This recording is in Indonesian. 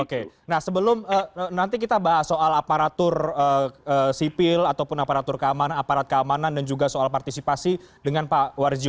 oke nah sebelum nanti kita bahas soal aparatur sipil ataupun aparatur keamanan aparat keamanan dan juga soal partisipasi dengan pak warjio